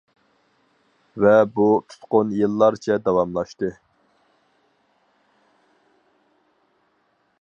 ۋە بۇ تۇتقۇن يىللارچە داۋاملاشتى.